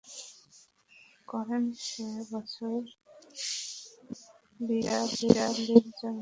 করেন সে বছর বিরযালীর জন্ম হয়।